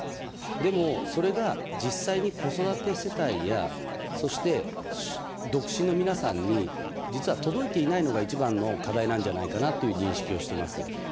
でもそれが実際に子育て世帯やそして独身の皆さんに、実は届いていないのが一番の課題なんじゃないかなという認識をしています。